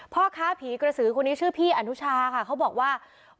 พ่อค้าผีกระสือคนนี้ชื่อพี่อนุชาค่ะเขาบอกว่า